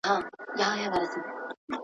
یو لرګی به یې لا هم کړ ور دننه.